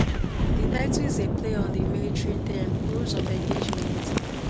The title is a play on the military term, "Rules of engagement".